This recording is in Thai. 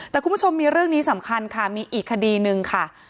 แต่คุณผู้ชมมีเรื่องนี้สำคัญค่ะมีอีกคดีหนึ่งค่ะ